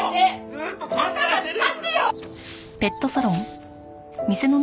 ずっと考えてるよ！